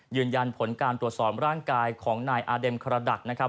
ยืนยันผลการตรวจสอบร่างกายของนายอาเด็มคารดักนะครับ